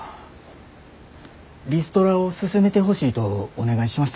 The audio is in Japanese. リストラを進めてほしいとお願いしました。